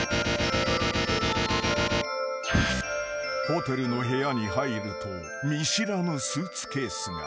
［ホテルの部屋に入ると見知らぬスーツケースが］